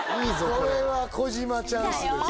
これは児嶋チャンスです